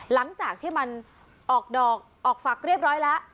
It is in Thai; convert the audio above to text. หลังจากที่มันออกดอกออกฝักเรียบร้อยแล้ว